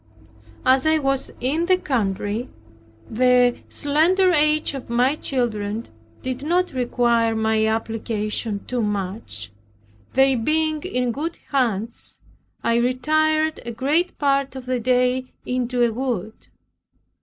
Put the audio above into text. As I was in the country, the slender age of my children did not require my application too much, they being in good hands, I retired a great part of the day into a wood.